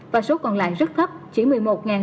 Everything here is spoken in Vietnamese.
và số còn lại rất thấp chỉ một mươi một